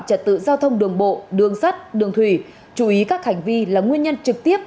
trật tự giao thông đường bộ đường sắt đường thủy chú ý các hành vi là nguyên nhân trực tiếp